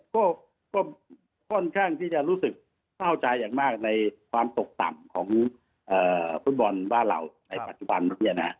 ก็ค่อนข้างที่จะรู้สึกเศร้าใจอย่างมากในความตกต่ำของฟุตบอลบ้านเราในปัจจุบัน